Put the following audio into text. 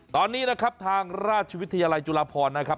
ตอนนี้นะครับทางราชวิทยาลัยจุฬาพรนะครับ